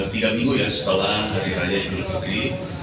tiga minggu ya setelah hari raya idul fitri